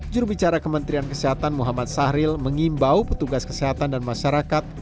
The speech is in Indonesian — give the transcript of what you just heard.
jurubicara kementerian kesehatan muhammad sahril mengimbau petugas kesehatan dan masyarakat